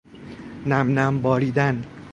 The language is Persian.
نم نم باریدن